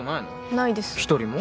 ないです一人も？